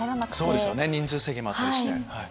そうですよね人数制限もあったりして。